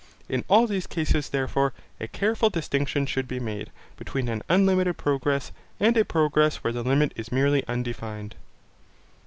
In all these cases therefore, a careful distinction should be made, between an unlimited progress, and a progress where the limit is merely undefined.